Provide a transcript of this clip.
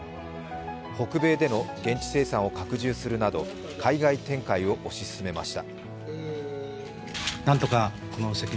北米での現地生産を拡充するなど海外展開を推し進めました。